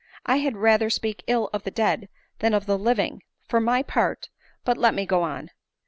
I had rather speak ill of the dead than of the living, for my part ; but let me go on.